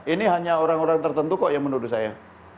ini hanya orang orang tertentu kok yang menuduh saya